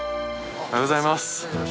おはようございます。